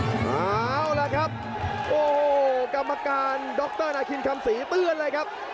เอาล่ะครับโอ้โหกรรมการดรนาคินคำศรีเตือนเลยครับ